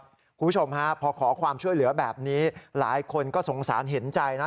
คุณผู้ชมฮะพอขอความช่วยเหลือแบบนี้หลายคนก็สงสารเห็นใจนะ